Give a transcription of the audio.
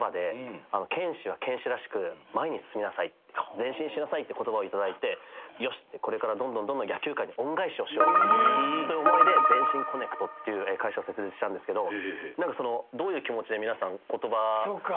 「前進しなさい」って言葉を頂いてよしこれからどんどんどんどん野球界に恩返しをしようという思いでＺＥＮＳＨＩＮＣＯＮＮＥＣＴっていう会社を設立したんですけどどういう気持ちで皆さん言葉でつくってるのかなと思って。